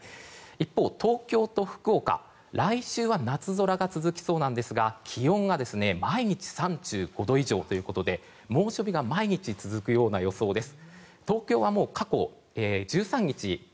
一方、東京と福岡は来週は夏空が続きそうなんですが気温が毎日３５度以上ということで猛暑日が毎日続くような予想です。